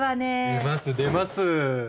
出ます出ます。